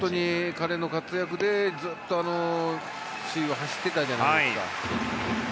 彼の活躍でずっと首位を走っていたじゃないですか。